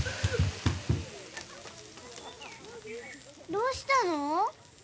どうしたの？